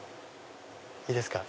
いいですか？